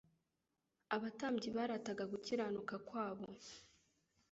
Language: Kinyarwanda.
Abatambyi barataga gukiranuka kwabo,